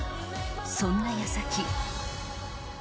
そんな矢先。